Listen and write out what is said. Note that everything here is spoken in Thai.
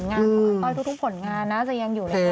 แต่ว่าต้อยทุกผลงานนะจะยังอยู่ในกรณีนี้